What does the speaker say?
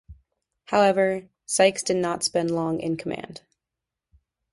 However, Sykes did not spend long in command.